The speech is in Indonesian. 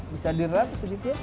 bisa di rub sedikit ya